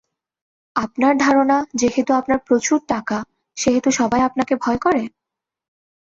আপনার ধারণা, যেহেতু আপনার প্রচুর টাকা, সেহেতু সবাই আপনাকে ভয় করে?